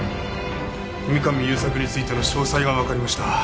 三上勇作についての詳細がわかりました。